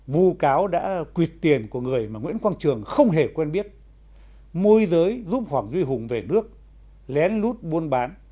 vu cáo đã quyệt tiền của người mà nguyễn quang trường không hề quen biết môi giới giúp hoàng duy hùng về nước lén lút buôn bán